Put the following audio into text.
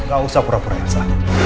gak usah pura pura biasa